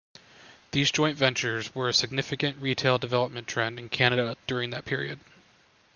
These joint ventures were a significant retail development trend in Canada during that period.